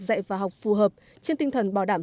dạy và học phù hợp trên tinh thần bảo đảm